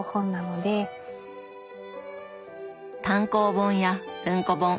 単行本や文庫本。